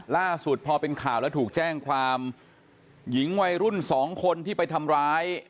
ล่าสุดพอเป็นข่าวแล้วถูกแจ้งความหญิงวัยรุ่นสองคนที่ไปทำร้าย